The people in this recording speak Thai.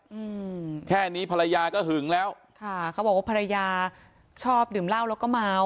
อืมแค่นี้ภรรยาก็หึงแล้วค่ะเขาบอกว่าภรรยาชอบดื่มเหล้าแล้วก็เมา